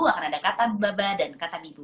akan ada kata babak dan kata bibu